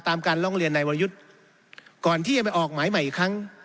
การร้องเรียนนายวรยุทธ์ก่อนที่จะไปออกหมายใหม่อีกครั้ง